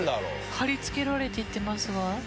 貼り付けられていってますが。